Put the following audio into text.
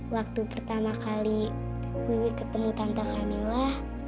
waktu pertama kali wiwi ketemu tante camilla